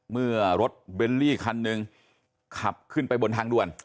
เมื่อรถเบลลี่คันหนึ่งขับขึ้นไปบนทางด่วน